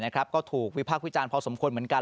ก็ถูกวิพากษ์วิจารณ์พอสมควรเหมือนกัน